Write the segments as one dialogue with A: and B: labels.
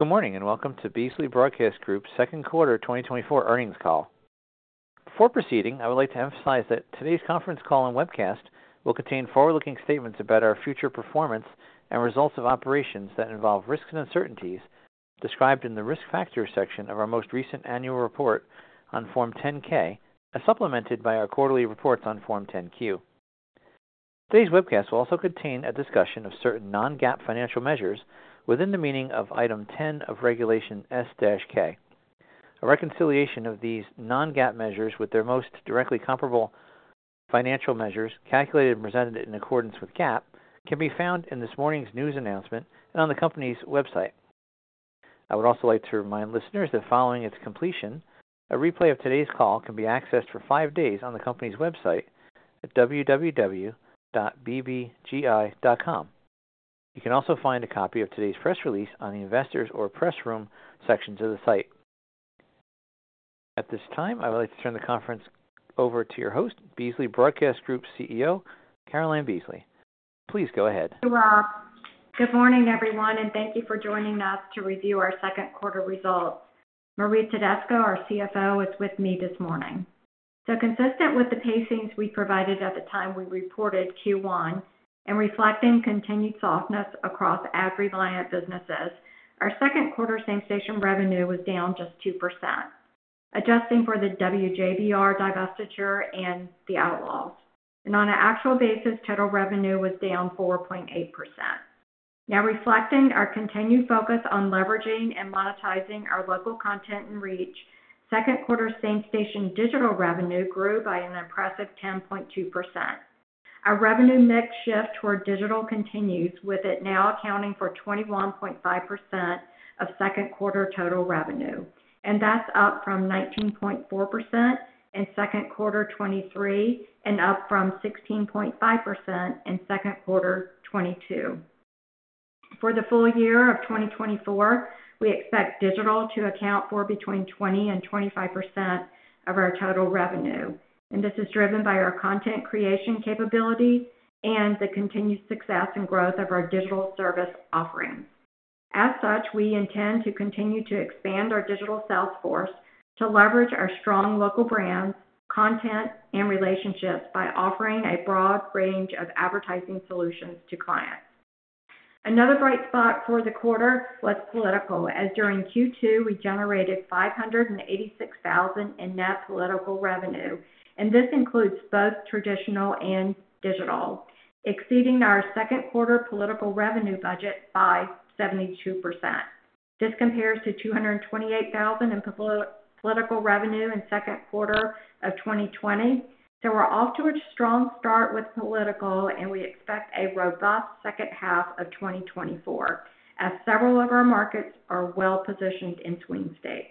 A: Good morning, and welcome to Beasley Broadcast Group's second quarter 2024 earnings call. Before proceeding, I would like to emphasize that today's conference call and webcast will contain forward-looking statements about our future performance and results of operations that involve risks and uncertainties described in the risk factors section of our most recent annual report on Form 10-K, as supplemented by our quarterly reports on Form 10-Q. Today's webcast will also contain a discussion of certain non-GAAP financial measures within the meaning of Item 10 of Regulation S-K. A reconciliation of these non-GAAP measures with their most directly comparable financial measures, calculated and presented in accordance with GAAP, can be found in this morning's news announcement and on the company's website. I would also like to remind listeners that following its completion, a replay of today's call can be accessed for five days on the company's website at www.bbgi.com. You can also find a copy of today's press release on the investors or press room sections of the site. At this time, I would like to turn the conference over to your host, Beasley Broadcast Group's CEO, Caroline Beasley. Please go ahead.
B: Thank you, Rob. Good morning, everyone, and thank you for joining us to review our second quarter results. Marie Tedesco, our CFO, is with me this morning. So consistent with the pacings we provided at the time we reported Q1, and reflecting continued softness across ad-reliant businesses, our second quarter same-station revenue was down just 2%, adjusting for the WJBR divestiture and the Outlaws. And on an actual basis, total revenue was down 4.8%. Now, reflecting our continued focus on leveraging and monetizing our local content and reach, second quarter same-station digital revenue grew by an impressive 10.2%. Our revenue mix shift toward digital continues, with it now accounting for 21.5% of second quarter total revenue, and that's up from 19.4% in second quarter 2023 and up from 16.5% in second quarter 2022. For the full year of 2024, we expect digital to account for between 20% and 25% of our total revenue, and this is driven by our content creation capability and the continued success and growth of our digital service offerings. As such, we intend to continue to expand our digital sales force to leverage our strong local brands, content, and relationships by offering a broad range of advertising solutions to clients. Another bright spot for the quarter was political, as during Q2, we generated $586,000 in net political revenue, and this includes both traditional and digital, exceeding our second quarter political revenue budget by 72%. This compares to $228,000 in political revenue in second quarter of 2020. So we're off to a strong start with political, and we expect a robust second half of 2024, as several of our markets are well-positioned in swing states.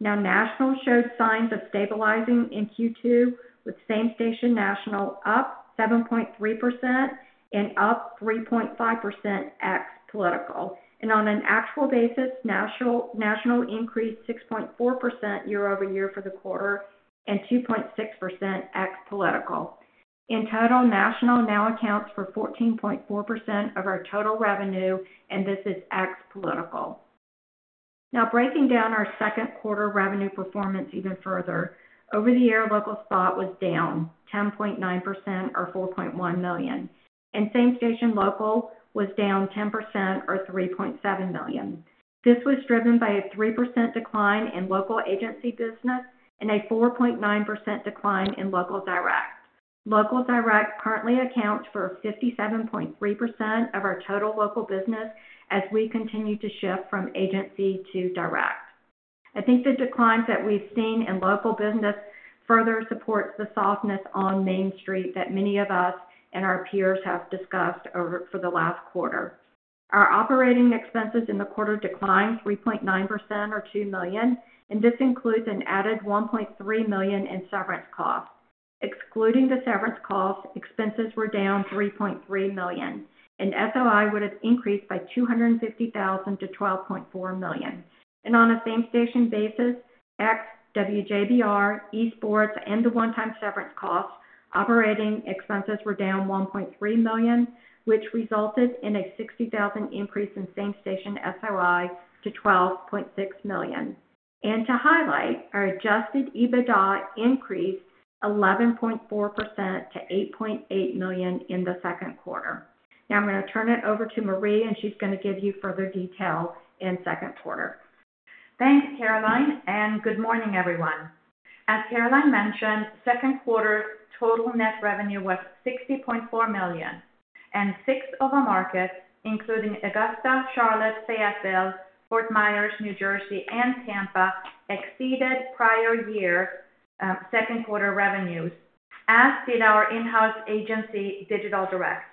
B: Now, national showed signs of stabilizing in Q2, with same-station national up 7.3% and up 3.5% ex political. And on an actual basis, national, national increased 6.4% year-over-year for the quarter and 2.6% ex political. In total, national now accounts for 14.4% of our total revenue, and this is ex political. Now, breaking down our second quarter revenue performance even further, over-the-air local spot was down 10.9% or $4.1 million, and same-station local was down 10% or $3.7 million. This was driven by a 3% decline in local agency business and a 4.9% decline in local direct. Local direct currently accounts for 57.3% of our total local business as we continue to shift from agency to direct. I think the declines that we've seen in local business further supports the softness on Main Street that many of us and our peers have discussed over for the last quarter. Our operating expenses in the quarter declined 3.9% or $2 million, and this includes an added $1.3 million in severance costs. Excluding the severance costs, expenses were down $3.3 million, and SOI would have increased by $250,000-$12.4 million. On a same-station basis, ex WJBR, esports, and the one-time severance costs, operating expenses were down $1.3 million, which resulted in a $60,000 increase in same-station SOI to $12.6 million. To highlight, our adjusted EBITDA increased 11.4% to $8.8 million in the second quarter. Now I'm going to turn it over to Marie, and she's going to give you further detail in second quarter.
C: Thanks, Caroline, and good morning, everyone. As Caroline mentioned, second quarter total net revenue was $60.4 million, and six of our markets, including Augusta, Charlotte, Fayetteville, Fort Myers, New Jersey, and Tampa, exceeded prior year second quarter revenues, as did our in-house agency, Digital Direct.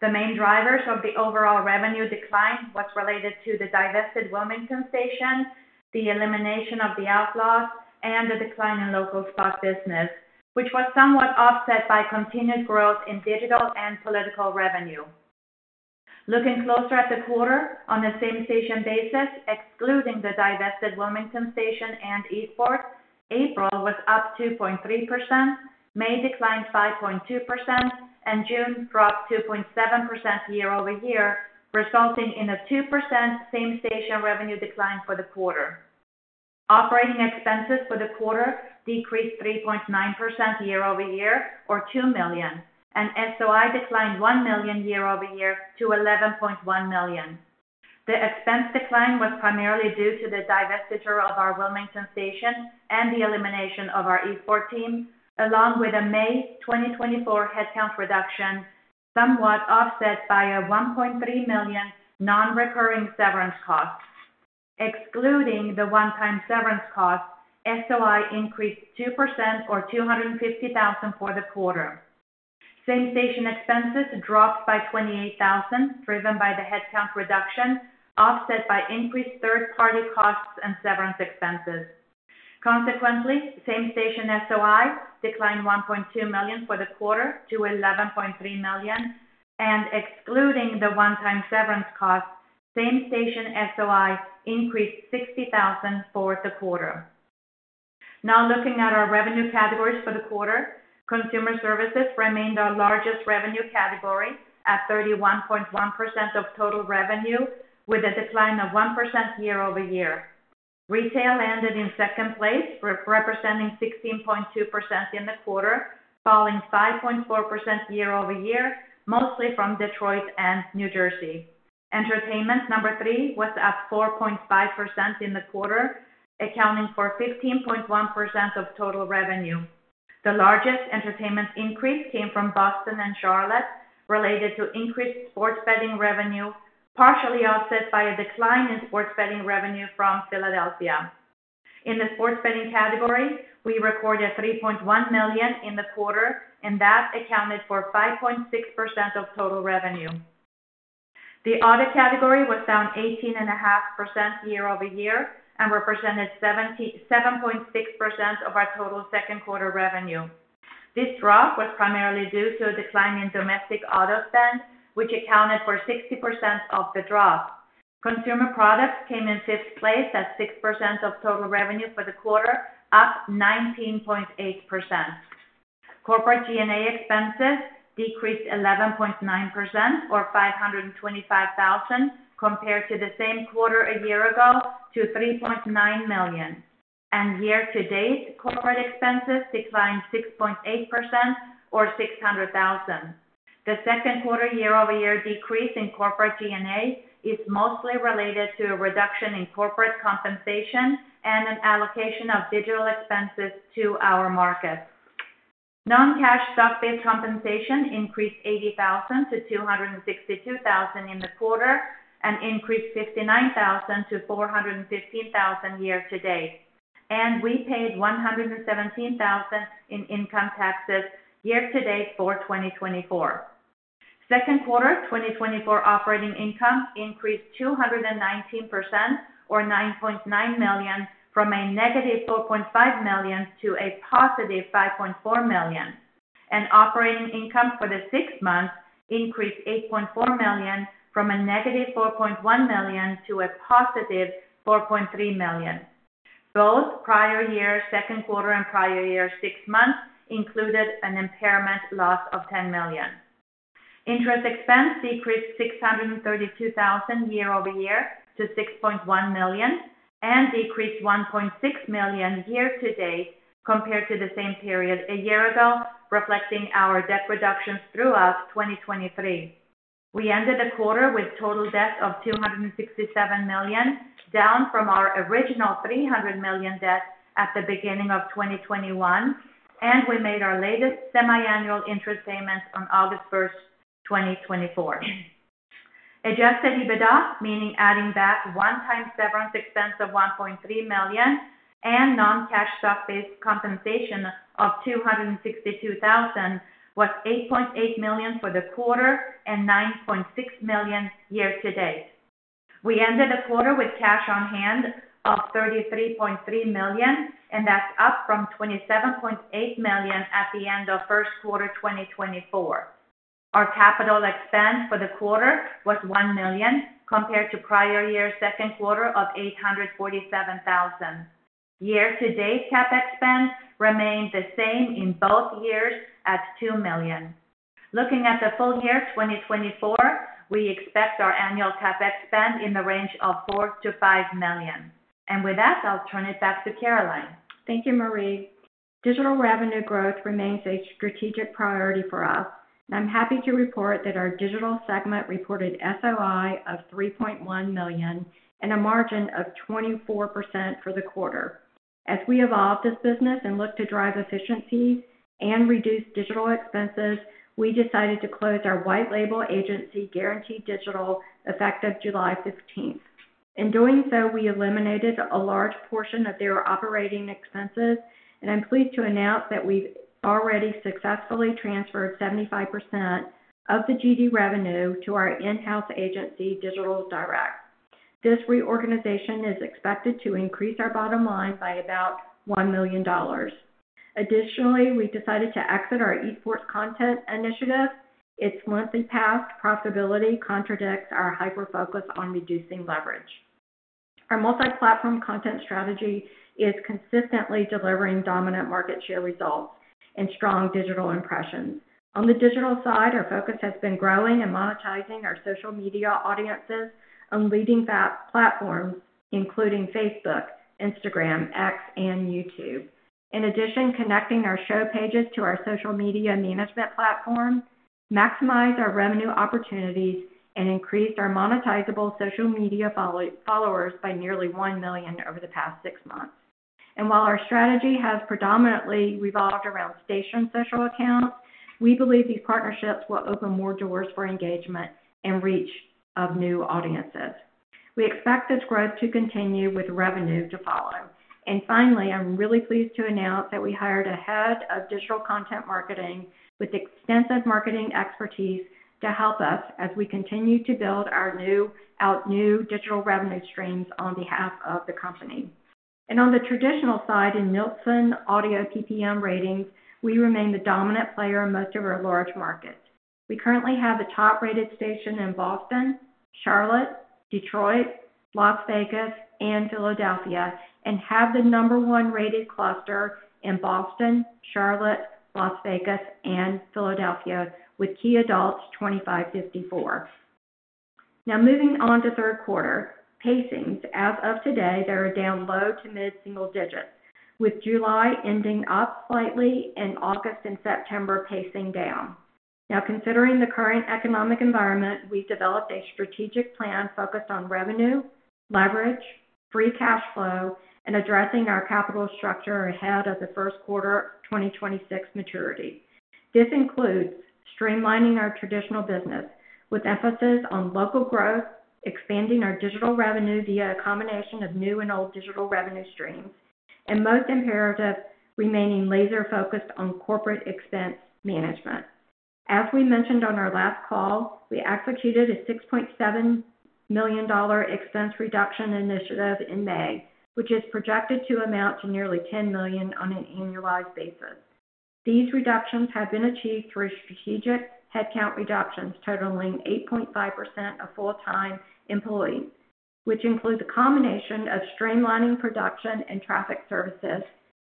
C: The main drivers of the overall revenue decline was related to the divested Wilmington station, the elimination of the Outlaws, and the decline in local spot business, which was somewhat offset by continued growth in digital and political revenue. Looking closer at the quarter, on a same-station basis, excluding the divested Wilmington station and esports, April was up 2.3%, May declined 5.2%, and June dropped 2.7% year-over-year, resulting in a 2% same-station revenue decline for the quarter. Operating expenses for the quarter decreased 3.9% year-over-year or $2 million, and SOI declined $1 million year-over-year to $11.1 million. The expense decline was primarily due to the divestiture of our Wilmington station and the elimination of our esports team, along with a May 2024 headcount reduction, somewhat offset by a $1.3 million non-recurring severance costs. Excluding the one-time severance costs, SOI increased 2% or $250,000 for the quarter. Same-station expenses dropped by $28,000, driven by the headcount reduction, offset by increased third-party costs and severance expenses. Consequently, same-station SOI declined $1.2 million for the quarter to $11.3 million, and excluding the one-time severance costs, same-station SOI increased $60,000 for the quarter. Now looking at our revenue categories for the quarter. Consumer services remained our largest revenue category at 31.1% of total revenue, with a decline of 1% year-over-year. Retail landed in second place, representing 16.2% in the quarter, falling 5.4% year-over-year, mostly from Detroit and New Jersey. Entertainment, number three, was at 4.5% in the quarter, accounting for 15.1% of total revenue. The largest entertainment increase came from Boston and Charlotte, related to increased sports betting revenue, partially offset by a decline in sports betting revenue from Philadelphia. In the sports betting category, we recorded $3.1 million in the quarter, and that accounted for 5.6% of total revenue. The auto category was down 18.5% year-over-year and represented 77.6% of our total second quarter revenue. This drop was primarily due to a decline in domestic auto spend, which accounted for 60% of the drop. Consumer products came in fifth place at 6% of total revenue for the quarter, up 19.8%. Corporate G&A expenses decreased 11.9% or $525,000 compared to the same quarter a year ago to $3.9 million. Year-to-date, corporate expenses declined 6.8% or $600,000. The second quarter year-over-year decrease in corporate G&A is mostly related to a reduction in corporate compensation and an allocation of digital expenses to our markets. Non-cash stock-based compensation increased $80,000-$262,000 in the quarter, and increased $59,000-$415,000 year-to-date. We paid $117,000 in income taxes year-to-date for 2024. Second quarter 2024 operating income increased 219% or $9.9 million, from -$4.5 million to +$5.4 million, and operating income for the six months increased $8.4 million from -$4.1 million to +$4.3 million. Both prior year second quarter and prior year six months included an impairment loss of $10 million. Interest expense decreased $632,000 year-over-year to $6.1 million, and decreased $1.6 million year-to-date compared to the same period a year ago, reflecting our debt reductions throughout 2023. We ended the quarter with total debt of $267 million, down from our original $300 million debt at the beginning of 2021, and we made our latest semiannual interest payment on August 1, 2024. Adjusted EBITDA, meaning adding back one-time severance expense of $1.3 million and non-cash stock-based compensation of $262,000, was $8.8 million for the quarter and $9.6 million year-to-date. We ended the quarter with cash on hand of $33.3 million, and that's up from $27.8 million at the end of first quarter 2024. Our capital expense for the quarter was $1 million, compared to prior year's second quarter of $847,000. Year-to-date CapEx spend remained the same in both years at $2 million. Looking at the full year 2024, we expect our annual CapEx spend in the range of $4 million-$5 million. And with that, I'll turn it back to Caroline.
B: Thank you, Marie. Digital revenue growth remains a strategic priority for us, and I'm happy to report that our digital segment reported SOI of $3.1 million and a margin of 24% for the quarter. As we evolve this business and look to drive efficiency and reduce digital expenses, we decided to close our white label agency, Guaranteed Digital, effective July 15th. In doing so, we eliminated a large portion of their operating expenses, and I'm pleased to announce that we've already successfully transferred 75% of the GD revenue to our in-house agency, Digital Direct. This reorganization is expected to increase our bottom line by about $1 million. Additionally, we decided to exit our esports content initiative. Its once and past profitability contradicts our hyper-focus on reducing leverage. Our multi-platform content strategy is consistently delivering dominant market share results and strong digital impressions. On the digital side, our focus has been growing and monetizing our social media audiences on leading platforms, including Facebook, Instagram, X, and YouTube. In addition, connecting our show pages to our social media management platform maximize our revenue opportunities and increased our monetizable social media followers by nearly 1 million over the past six months. While our strategy has predominantly revolved around station social accounts, we believe these partnerships will open more doors for engagement and reach of new audiences. We expect this growth to continue with revenue to follow. Finally, I'm really pleased to announce that we hired a head of digital content marketing with extensive marketing expertise to help us as we continue to build out our new digital revenue streams on behalf of the company. On the traditional side, in Nielsen Audio PPM ratings, we remain the dominant player in most of our large markets. We currently have a top-rated station in Boston, Charlotte, Detroit, Las Vegas, and Philadelphia, and have the number one-rated cluster in Boston, Charlotte, Las Vegas, and Philadelphia, with key adults 25-54. Now moving on to third quarter. Pacings, as of today, they are down low to mid-single digits, with July ending up slightly and August and September pacing down. Now, considering the current economic environment, we developed a strategic plan focused on revenue, leverage, free cash flow, and addressing our capital structure ahead of the first quarter 2026 maturity. This includes streamlining our traditional business with emphasis on local growth, expanding our digital revenue via a combination of new and old digital revenue streams, and most imperative, remaining laser-focused on corporate expense management. As we mentioned on our last call, we executed a $6.7 million expense reduction initiative in May, which is projected to amount to nearly $10 million on an annualized basis. These reductions have been achieved through strategic headcount reductions, totaling 8.5% of full-time employees, which include the combination of streamlining production and traffic services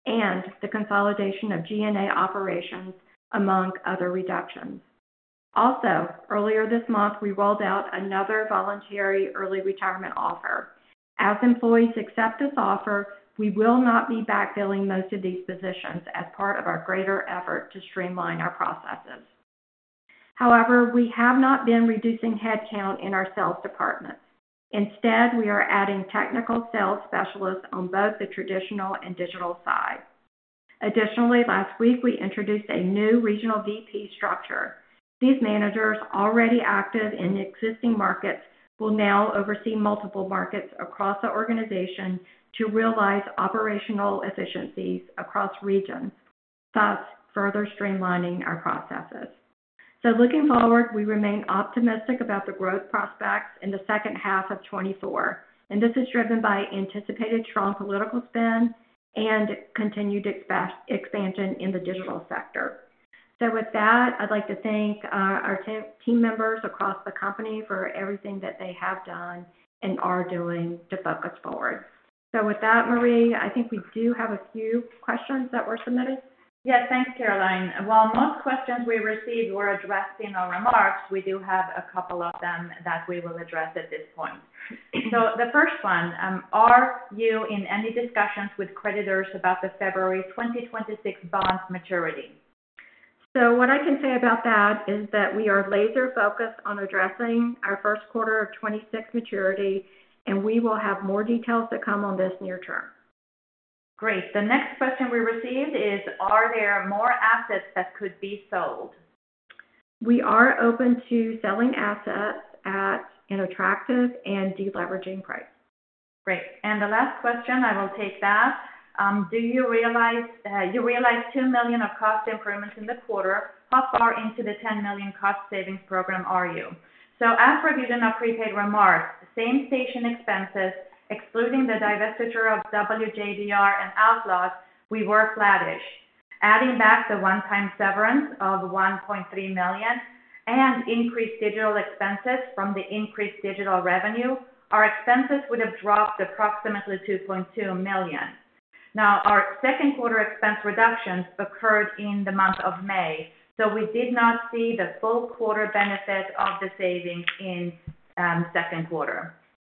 B: and the consolidation of G&A operations, among other reductions. Also, earlier this month, we rolled out another voluntary early retirement offer. As employees accept this offer, we will not be backfilling most of these positions as part of our greater effort to streamline our processes. However, we have not been reducing headcount in our sales departments. Instead, we are adding technical sales specialists on both the traditional and digital sides. Additionally, last week, we introduced a new regional VP structure. These managers, already active in existing markets, will now oversee multiple markets across the organization to realize operational efficiencies across regions, thus further streamlining our processes. So looking forward, we remain optimistic about the growth prospects in the second half of 2024, and this is driven by anticipated strong political spend and continued expansion in the digital sector. So with that, I'd like to thank our team members across the company for everything that they have done and are doing to focus forward. So with that, Marie, I think we do have a few questions that were submitted.
C: Yes, thanks, Caroline. While most questions we received were addressed in our remarks, we do have a couple of them that we will address at this point. So the first one: Are you in any discussions with creditors about the February 2026 bond maturity?
B: What I can say about that is that we are laser-focused on addressing our first quarter of 2026 maturity, and we will have more details to come on this near term.
C: Great. The next question we received is: Are there more assets that could be sold?
B: We are open to selling assets at an attractive and deleveraging price.
C: Great. And the last question, I will take that. Do you realize—you realize $2 million of cost improvements in the quarter. How far into the $10 million cost savings program are you? So as for review, the prepared remarks, same-station expenses, excluding the divestiture of WJBR and Outlaws, we were flattish. Adding back the one-time severance of $1.3 million and increased digital expenses from the increased digital revenue, our expenses would have dropped approximately $2.2 million. Now, our second quarter expense reductions occurred in the month of May, so we did not see the full quarter benefit of the savings in second quarter.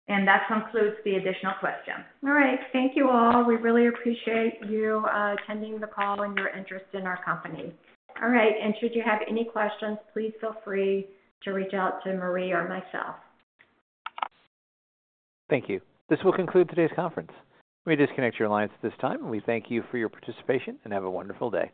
C: And that concludes the additional questions.
B: All right. Thank you, all. We really appreciate you attending the call and your interest in our company. All right, and should you have any questions, please feel free to reach out to Marie or myself.
A: Thank you. This will conclude today's conference. Let me disconnect your lines at this time, and we thank you for your participation, and have a wonderful day.